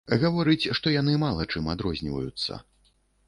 Гаворыць, што яны мала чым адрозніваюцца.